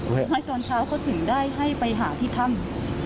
ให้ตอนเช้าเขาถึงได้ให้ไปหาที่ถ้ำ